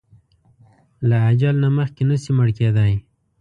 له اځل نه مخکې نه شې مړ کیدای!